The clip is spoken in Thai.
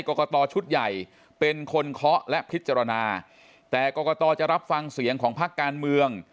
กรกตชุดใหญ่เป็นคนเคาะและพิจารณาแต่กรกตจะรับฟังเสียงของพักการเมือง